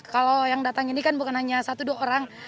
kalau yang datang ini kan bukan hanya satu dua orang